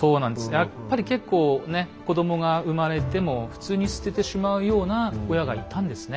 やっぱり結構ね子供が産まれても普通に捨ててしまうような親がいたんですね。